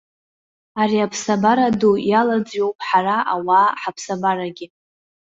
Ари аԥсабара ду иалаӡҩоуп ҳара ауаа ҳаԥсабарагьы.